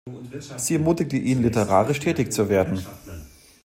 Sie ermutigte ihn, literarisch tätig zu werden.